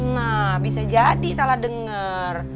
nah bisa jadi salah dengar